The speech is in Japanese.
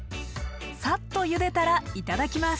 サッとゆでたらいただきます。